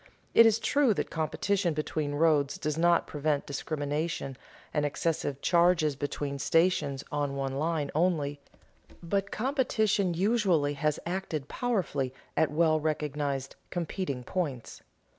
It is true that competition between roads does not prevent discrimination and excessive charges between stations on one line only; but competition usually has acted powerfully at well recognized "competing points."